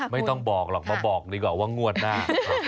ไม่ต้องบอกหรอกมาบอกดีกว่าว่างวดหน้า